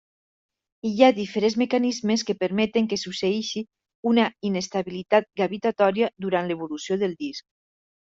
Hi ha diferents mecanismes que permeten que succeeixi una inestabilitat gravitatòria durant l'evolució del disc.